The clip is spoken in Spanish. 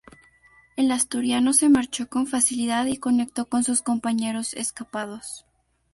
El asturiano se marchó con facilidad y conectó con sus compañeros escapados.